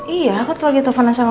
iya aku tuh lagi teleponan sama